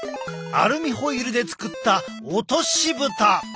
アルミホイルで作ったおとしぶた！